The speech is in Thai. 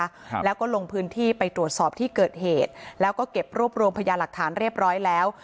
ครับแล้วก็ลงพื้นที่ไปตรวจสอบที่เกิดเหตุแล้วก็เก็บรวบรวมพยาหลักฐานเรียบร้อยแล้ว